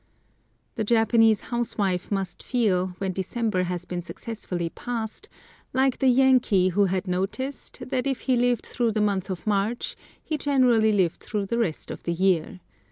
The Japanese housewife must feel, when December has been successfully passed, like the Yankee who had noticed that if he lived through the month of March he generally lived through the rest of the year.